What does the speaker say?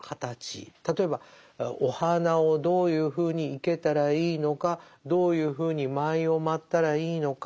例えばお花をどういうふうに生けたらいいのかどういうふうに舞を舞ったらいいのか。